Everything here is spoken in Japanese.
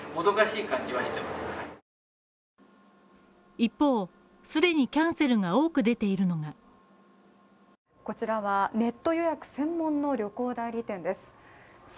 一方、既にキャンセルが多く出ているのがこちらはネット予約専門の旅行代理店です。